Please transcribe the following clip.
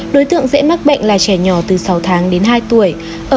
đối tượng dễ mắc bệnh là trẻ nhỏ từ sáu tháng đến hai tuổi